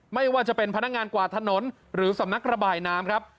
ไม่ว่าจะเป็นพนักงานกวาดถนนหรือสำนักระบายน้ำครับ